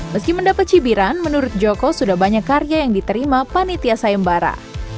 meski mendapat cibiran menurut joko sudah banyak karya yang diterima panitia sayembara